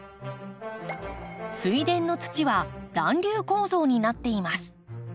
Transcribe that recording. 水田の土は団粒構造になっています。